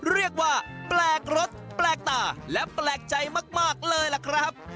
เรียกว่าแปลกรสแปลกตาและแปลกใจมากเลยล่ะครับ